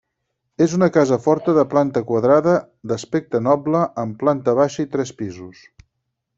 És una casa forta de planta quadrada, d'aspecte noble, amb planta baixa i tres pisos.